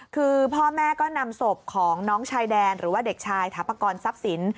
คือพ่อแม่ก็นำศพของน้องชายแดนหรือว่าเด็กชายถาปกรทรัพย์สิน